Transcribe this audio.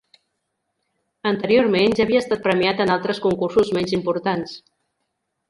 Anteriorment ja havia estat premiat en altres concursos menys importants.